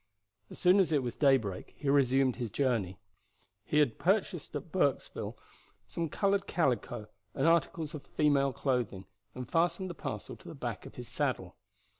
As soon as it was daybreak he resumed his journey. He had purchased at Burksville some colored calico and articles of female clothing, and fastened the parcel to the back of his saddle.